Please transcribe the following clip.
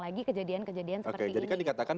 lagi kejadian kejadian seperti ini jadi kan dikatakan